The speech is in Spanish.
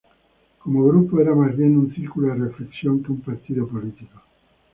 Como grupo, eran más bien un círculo de reflexión que un partido político.